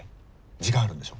時間あるんでしょ？